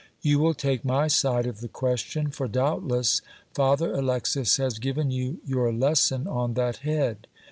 You will take my side of the question ; for doubtless Father Alexis has given you your lesson on that head.